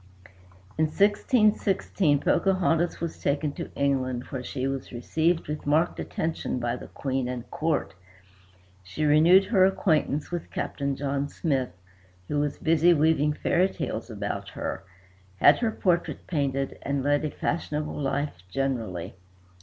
In 1616 Pocahontas was taken to England, where she was received with marked attention by the Queen and court. She renewed her acquaintance with Captain John Smith, who was busy weaving fairy tales about her, had her portrait painted and led a fashionable life generally.